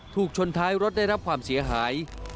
ถูกชนท้ายรถได้รับความเสียหาย